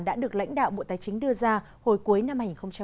đã được lãnh đạo bộ tài chính đưa ra hồi cuối năm hai nghìn một mươi chín